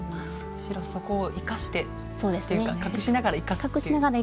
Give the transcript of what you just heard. むしろそこを生かしてというか隠しながら生かすっていう。